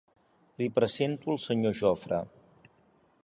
Li presento el Senyor Jofre.